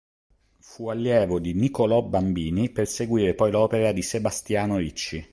Fu allievo di Nicolò Bambini per seguire poi l'opera di Sebastiano Ricci.